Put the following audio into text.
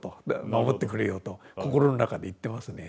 守ってくれよと心の中で言ってますね。